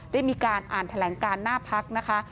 ได้มีการอ่านแถลงการหน้าพักนะคะ